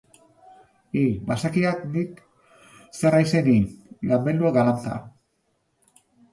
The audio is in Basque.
Hi, bazekiat nik zer haizen hi, ganbelua galanta!